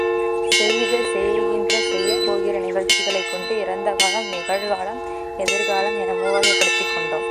செய்த செய்கின்ற செய்யப்போகிற நிகழ்ச்சிகளைக் கொண்டு இறந்தகாலம், நிகழ்காலம், எதிர்காலம் என மூவகைப்படுத்திக் கொண்டோம்.